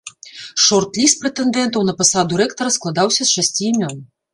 Шорт-ліст прэтэндэнтаў на пасаду рэктара складаўся з шасці імён.